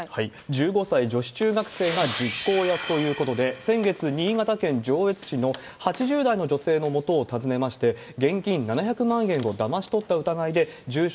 １５歳、女子中学生が実行役ということで、先月、新潟県上越市の８０代の女性のもとを訪ねまして、現金７００万円をだまし取った疑いで、住所